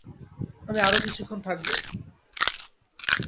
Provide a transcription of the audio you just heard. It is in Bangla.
আমি আরো কিছুক্ষণ থাকবো।